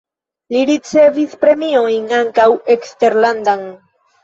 Li ricevis premiojn (ankaŭ eksterlandan).